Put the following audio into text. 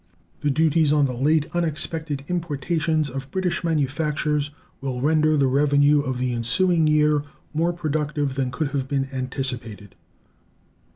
The duties on the late unexpected importations of British manufactures will render the revenue of the ensuing year more productive than could have been anticipated.